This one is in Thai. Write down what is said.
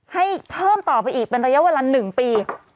ให้เพิ่มต่อไปอีกเป็นระยะเวลา๑ปี